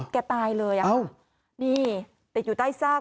ตายเลยอ่ะค่ะนี่ติดอยู่ใต้ซาก